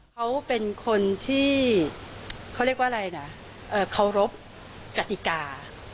เขาเป็นคนที่เขาเรียกว่าอะไรนะเคารพกติกา